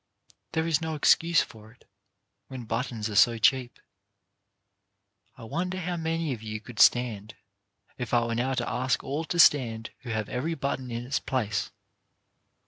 There is no excuse for it, when buttons are so cheap. I wonder how many of you could stand, if I were now to ask all to stand who have every button in its place.